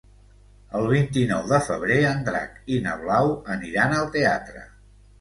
El vint-i-nou de febrer en Drac i na Blau aniran al teatre.